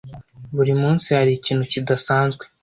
Buri munsi hari ikintu kidasanzwe